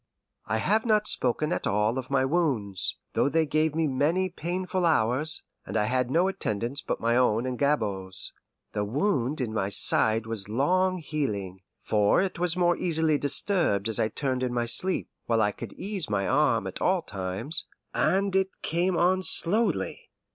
I have not spoken at all of my wounds, though they gave me many painful hours, and I had no attendance but my own and Gabord's. The wound in my side was long healing, for it was more easily disturbed as I turned in my sleep, while I could ease my arm at all times, and it came on slowly.